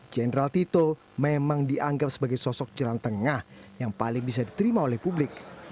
jenderal tito memang dianggap sebagai sosok jalan tengah yang paling bisa diterima oleh publik